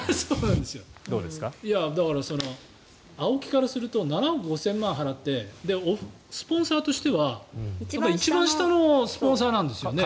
ＡＯＫＩからすると７億５０００万円払ってスポンサーとしては一番下のスポンサーなんですよね。